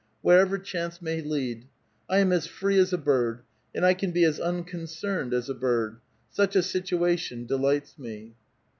wherever chance may lead. I am as free as a bird, and I can be as unconcerned as a bird ; such a situation delights me.